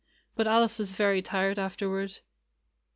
But Alice was very tired afterward.